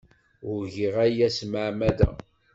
Ur giɣ aya s tmeɛmada.